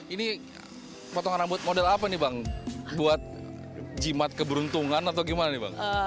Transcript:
ini potongan rambut model apa nih bang buat jimat keberuntungan atau gimana nih bang